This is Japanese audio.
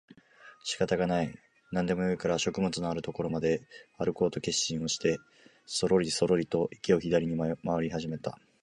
仕方がない、何でもよいから食物のある所まであるこうと決心をしてそろりそろりと池を左に廻り始めた